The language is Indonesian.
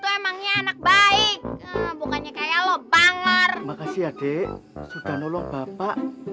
emangnya anak baik bukannya kayak lo pangar makasih adik sudah nolong bapak